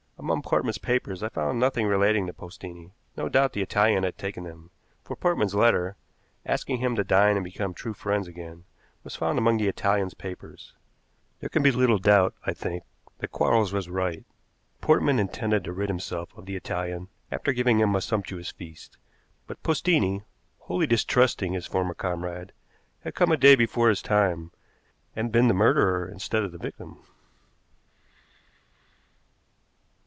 Among Portman's papers I found none relating to Postini; no doubt the Italian had taken them, for Portman's letter, asking him to dine and to become true friends again, was found among the Italian's papers. There can be little doubt, I think, that Quarles was right. Portman intended to rid himself of the Italian after giving him a sumptuous feast, but Postini, wholly distrusting his former comrade, had come a day before his time, and been the murderer instead of the victim.